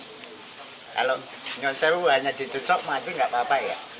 kalau nyosir hanya ditusuk mati nggak apa apa ya